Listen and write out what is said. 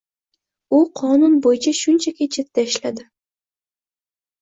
U qonun boʻyicha shunchaki chetda ishladi